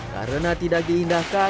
karena tidak diindahkan